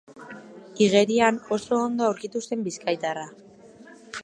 Igerian oso ondo aurkitu zen bizkaitarra.